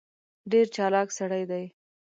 ډېر چالاک سړی دی.